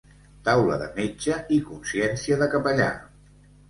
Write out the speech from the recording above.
Taula de metge i consciència de capellà.